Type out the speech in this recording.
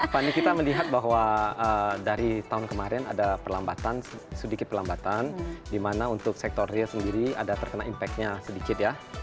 fani kita melihat bahwa dari tahun kemarin ada perlambatan sedikit perlambatan di mana untuk sektor real sendiri ada terkena impactnya sedikit ya